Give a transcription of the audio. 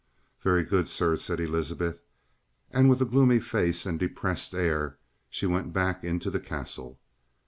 "Very good, sir," said Elizabeth, and with a gloomy face and depressed air she went back into the Castle.